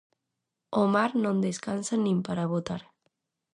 O mar non descansa nin para votar.